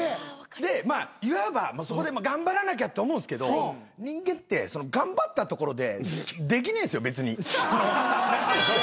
でいわばそこで頑張らなきゃって思うんすけど人間って頑張ったところでできねえんすよ別に。